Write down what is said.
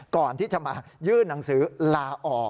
ก่อนที่จะมายื่นหนังสือลาออก